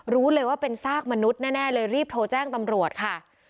รู้เลยว่าเป็นซากมนุษย์แน่เลยรีบโทรแจ้งตำรวจค่ะ